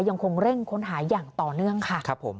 ยังคงเร่งค้นหาอย่างต่อเนื่องค่ะ